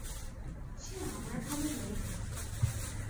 সে আমার ভালো মনে নেই।